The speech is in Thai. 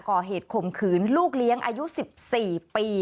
ก่อเหตุขมขืนลูกเลี้ยงอายุ๑๔ปี